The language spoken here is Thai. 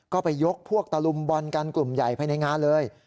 ก็ไปยกพวกตะลุมบอลกันกลุ่มใหญ่ภายในงานเลย